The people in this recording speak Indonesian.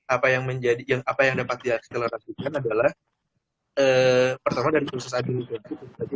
apa yang dapat diakselerasikan adalah pertama dari proses administrasi